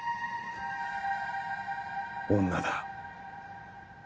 女だ。